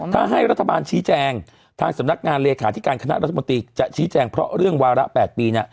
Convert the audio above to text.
ถ้าให้รัฐบาลชี้แจงทางสำนักงานเลขาธิการคณะรัฐมนตรีจะชี้แจงเพราะเรื่องวาระ๘ปี